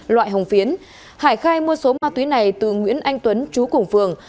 loại hồng phiến hải khai mua số ma túy này từ nguyễn anh tuấn trú cùng phường